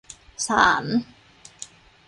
ศาล